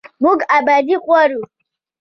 موږ ابادي غواړو